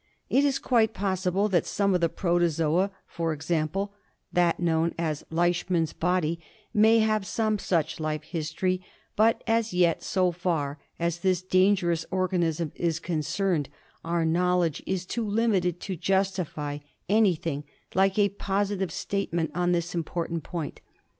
It is quite possible that some of the protozoa — for example that known as Leishman's body — may have some such life history ; but as yet, so far as this dangerous organism is concerned, our knowledge is too limited to justify anything like a positive statement on this impor tant point.